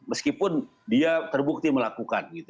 meskipun dia terbukti melakukan